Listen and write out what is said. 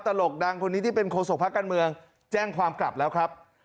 ตลกดังคนนี้ที่เป็นโคศกภาคการเมืองแจ้งความกลับแล้วครับ